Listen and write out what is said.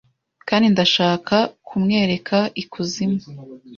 Kandi ndashaka kumwereka ikuzimu